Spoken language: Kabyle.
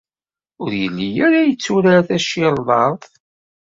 Ur yelli ara yetturar tacirḍart.